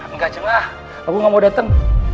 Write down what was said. enggak jemah aku gak mau datang